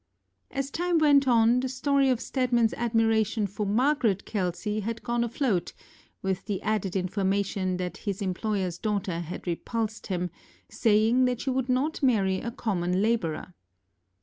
As time went on, the story of StedmanŌĆÖs admiration for Margaret Kelsey had gone afloat, with the added information that his employerŌĆÖs daughter had repulsed him, saying that she would not marry a common laborer.